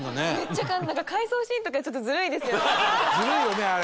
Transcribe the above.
ずるいよねあれ。